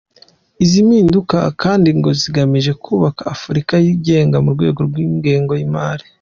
Izi mpinduka kandi ngo zigamije kubaka Afurika yigenga mu rwego rw’ingengo y’imari.